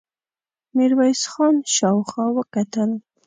ميرويس خان شاوخوا وکتل.